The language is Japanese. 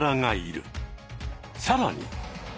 さらに！